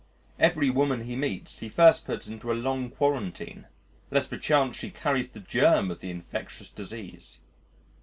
Every woman he meets he first puts into a long quarantine, lest perchance she carries the germ of the infectious disease.